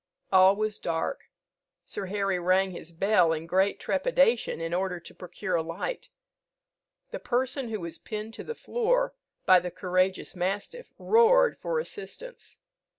All was dark: Sir Harry rang his bell in great trepidation, in order to procure a light. The person who was pinned to the floor by the courageous mastiff roared for assistance.